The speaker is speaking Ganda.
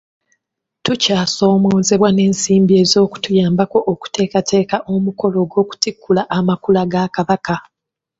Tukyasoomoozebwa n’ensimbi ezituyambako okuteekateeka omukolo gw’okutikkula amakula ga Kabaka.